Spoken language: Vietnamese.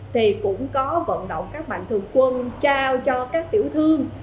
thì cũng có vận động các mạnh thường quân trao cho các tiểu thương